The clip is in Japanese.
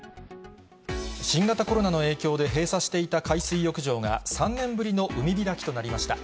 新型コロナの影響で閉鎖していた海水浴場が３年ぶりの海開きとなりました。